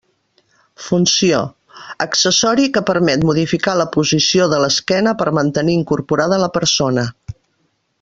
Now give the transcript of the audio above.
Funció: accessori que permet modificar la posició de l'esquena per mantenir incorporada la persona.